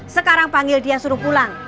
sekarang panggil dia suruh pulang